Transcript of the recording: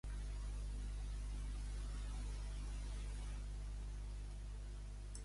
I Torra quina consideració ha emfatitzat?